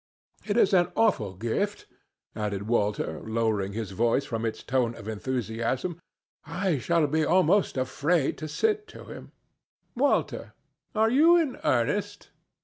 It is an awful gift," added Walter, lowering his voice from its tone of enthusiasm. "I shall be almost afraid to sit to him." "Walter, are you in earnest?"